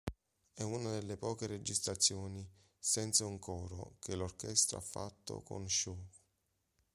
È una delle poche registrazioni senza un coro che l'orchestra ha fatto con Shaw.